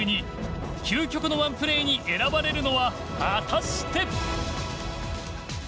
究極のワンプレーに選ばれるのは果たして。